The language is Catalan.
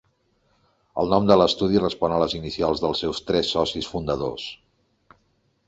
El nom de l'estudi respon a les inicials dels seus tres socis fundadors.